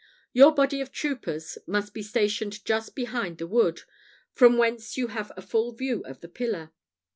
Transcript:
Your body of troopers must be stationed just behind the wood, from whence you have a full view of the pillar.